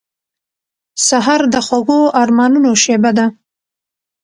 سهار د خوږو ارمانونو شېبه ده.